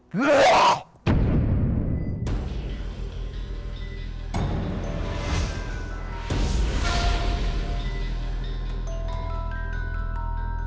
โปรดติดตามตอนต่อไป